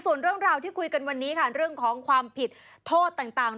ส่วนเรื่องราวที่คุยกันวันนี้ค่ะเรื่องของความผิดโทษต่าง